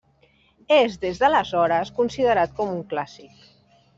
És des d'aleshores considerat com un clàssic.